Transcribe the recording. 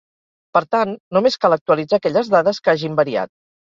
Per tant, només cal actualitzar aquelles dades que hagin variat.